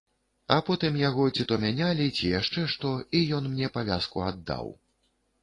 А потым яго ці то мянялі, ці яшчэ што, і ён мне павязку аддаў.